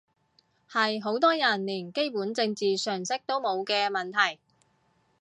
係好多人連基本政治常識都冇嘅問題